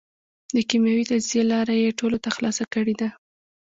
د کېمیاوي تجزیې لاره یې ټولو ته خلاصه کړېده.